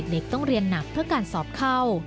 เด็กต้องเรียนหนักเพื่อการสอบเข้า